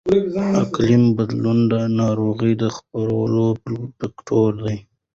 اقلیمي بدلون د ناروغۍ د خپرېدو فکتور دی.